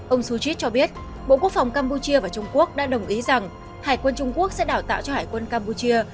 ông suchit cho biết bộ quốc phòng campuchia và trung quốc đã đồng ý rằng hải quân trung quốc sẽ đào tạo cho hải quân campuchia